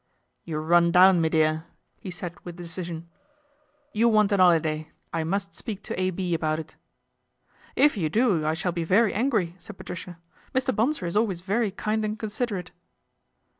" You're run down, me dear," he said with 238 PATRICIA BRENT, SPINSTER decision. " You want an 'oliday. I must speak to A. B. about it." " If you do I shall be very angry," said Patricia ;" Mr. Bonsor is always very kind and considerate."